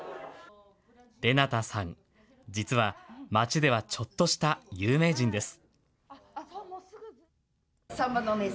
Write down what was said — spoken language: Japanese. レナタさん、実は町ではちょっとした有名人です。